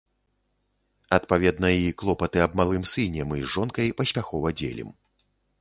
Адпаведна, і клопаты аб малым сыне мы з жонкай паспяхова дзелім.